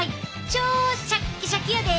超シャッキシャキやで！